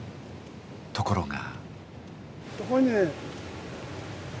ところが。